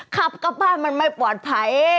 ขับกลับบ้านมันไม่ปลอดภัย